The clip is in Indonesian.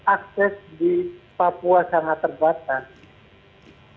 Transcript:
akses di papua sangat terbatas